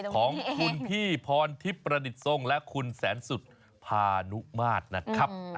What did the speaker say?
ของคุณพี่พรทิปรณิตทรงและคุณแสนสุทธิ์พาณุมาตรนะครับ